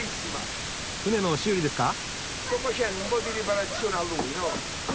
船の修理ですか？